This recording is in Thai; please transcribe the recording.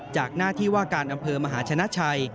จากหน้าที่ว่าการอำเภอมหาชนะชัย